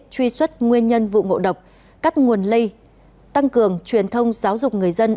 truy xuất nguyên nhân vụ ngộ độc cắt nguồn lây tăng cường truyền thông giáo dục người dân